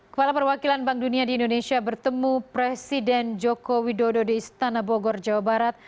kepala perwakilan bank dunia di indonesia bertemu presiden joko widodo di istana bogor jawa barat